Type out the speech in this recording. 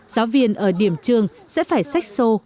giáo viên ở điểm trường sẽ phải sách sô